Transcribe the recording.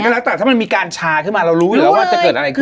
เมื่อไหร่ก็แล้วแต่ถ้ามันมีการชาขึ้นมาเรารู้เลยว่าจะเกิดอะไรขึ้น